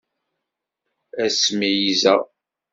Ad s-meyyzeɣ.